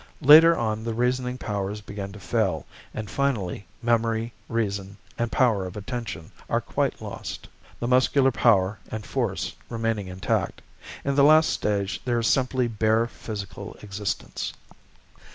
Later on the reasoning powers begin to fail, and finally, memory, reason, and power of attention, are quite lost, the muscular power and force remaining intact. In the last stage there is simply bare physical existence.